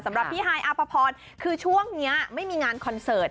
สำหรับพี่ฮายอาภพรคือช่วงนี้ไม่มีงานคอนเสิร์ต